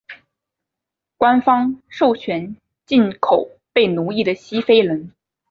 官方授权进口被奴役的西非人。